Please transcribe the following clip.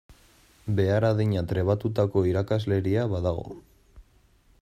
Behar adina trebatutako irakasleria badago.